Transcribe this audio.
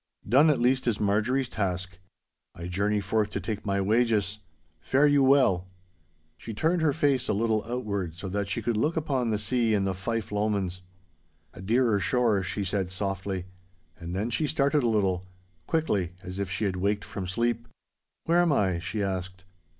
'Done, at least, is Marjorie's task. I journey forth to take my wages. Fare you well.' She turned her face a little outward so that she could look upon the sea and the Fife Lomonds. 'A dearer shore,' she said, softly, and then she started a little, quickly as if she had waked from sleep. 'Where am I?' she asked.